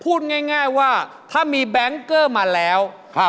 พูดง่ายว่าถ้ามีแบงค์เกอร์มาแล้ว